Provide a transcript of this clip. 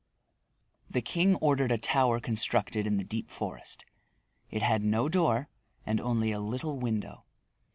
The king ordered a tower constructed in the deep forest. It had no door, and only a little window.